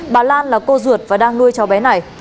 bà lan là cô ruột và đang nuôi cháu bé này